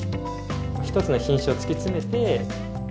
１つの品種を突き詰めて。